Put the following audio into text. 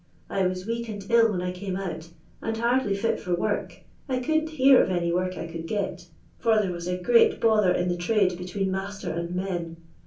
I was weak and ill when I came out, and hardly fit for work ; I couldn't hear of any work I could get, for there waa a great bother in the trade between master and men.